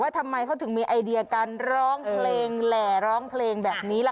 ทำไมเขาถึงมีไอเดียการร้องเพลงแหล่ร้องเพลงแบบนี้ล่ะ